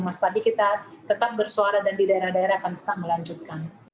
mas tadi kita tetap bersuara dan di daerah daerah akan tetap melanjutkan